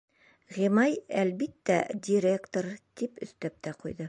Ғимай, әлбиттә, директор, тип өҫтәп тә ҡуйҙы.